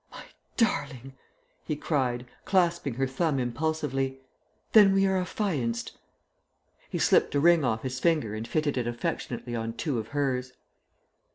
"My darling!" he cried, clasping her thumb impulsively. "Then we are affianced." He slipped a ring off his finger and fitted it affectionately on two of hers.